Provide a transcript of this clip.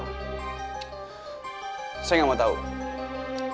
kalau harga yang kami tawarkan masih terlalu mahal